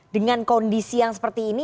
dengan kondisi yang seperti ini